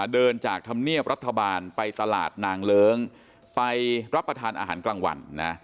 เดินจากธรรมเนียบรัฐบาลไปตลาดนางเลิ้งไปรับประทานอาหารกลางวันนะ